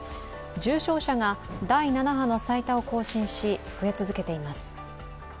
重症者が第７波の最多を更新し増え続けています。